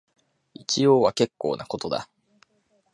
一応は結構なことだ